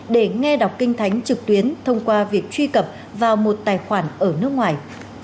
để nghe đọc kinh thánh trực tuyến thông qua việc truy cập vào một tài khoản ở nước ngoài